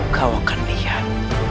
kau akan lihat